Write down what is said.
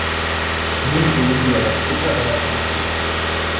Nun sehen wir das bittere Ergebnis.